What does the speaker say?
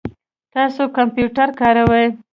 تاسو کمپیوټر کاروئ؟